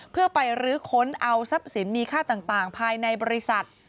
เพื่อไปรื้อค้นเอาทรัพย์สินมีค่าต่างภายในบริษัท